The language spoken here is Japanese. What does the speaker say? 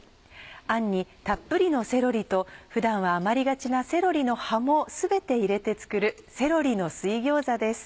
餡にたっぷりのセロリと普段は余りがちなセロリの葉も全て入れて作る「セロリの水餃子」です。